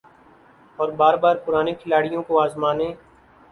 اور بار بار پرانے کھلاڑیوں کو آزمانے